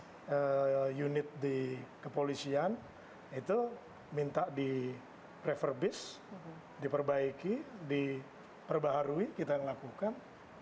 ada beberapa unit di kepolisian itu minta di preferbis diperbaiki diperbaharui kita yang lakukan